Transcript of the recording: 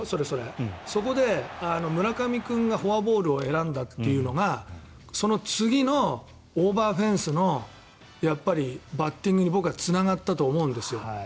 そこで村上君がフォアボールを選んだというのがその次のオーバーフェンスのバッティングに僕はつながったと思うんですよ。